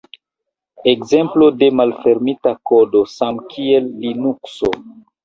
Ekzemplo de malfermita kodo samkiel Linukso.